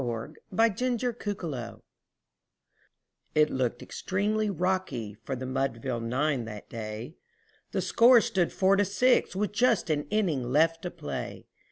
_ CASEY AT THE BAT It looked extremely rocky for the Mudville nine that day, The score stood four to six with but an inning left to play.